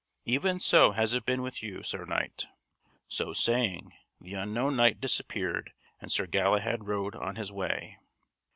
Even so has it been with you, Sir Knight." So saying, the unknown knight disappeared and Sir Galahad rode on his way.